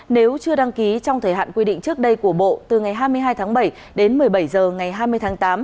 nếu chưa đăng ký trong thời hạn quy định trước đây của bộ từ ngày hai mươi hai tháng bảy đến một mươi bảy h ngày hai mươi tháng tám